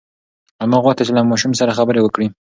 انا غوښتل چې له ماشوم سره خبرې وکړي.